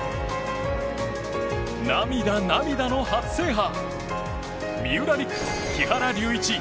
涙、涙の初制覇三浦璃来・木原龍一